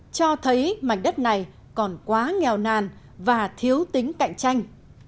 cho thấy mảnh đất này còn quá nghèo nàn và thiếu tính cạnh tranh